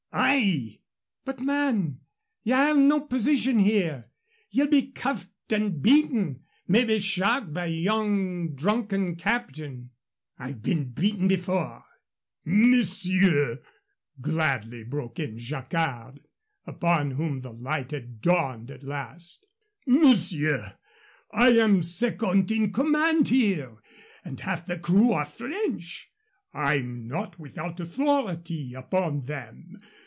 "Ay!" "But, man, you have no position here; ye'll be cuffed and beaten maybe shot by yon drunken captain " "I've been beaten before " "Monsieur," gladly broke in Jacquard, upon whom the light had dawned at last "monsieur, I am second in command here, and half the crew are French. I'm not without authority upon them.